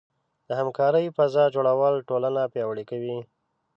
د همکارۍ فضاء جوړول ټولنه پیاوړې کوي.